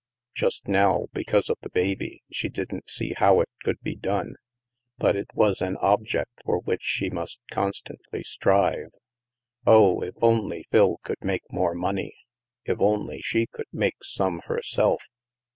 Just now, because of the baby, she didn't see how it could be done; but it was an object for which she must constantly strive. Oh, if only Phil could make more money! If only she could make some her self!